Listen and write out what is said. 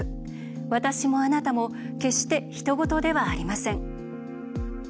私も、あなたも決して、ひと事ではありません。